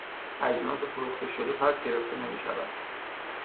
اجناس فروخته شده پس گرفته نمیشود.